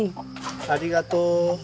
ありがとう。